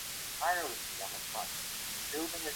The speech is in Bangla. এই শহরের পাহাড়ি প্রকৃতি দারুণ।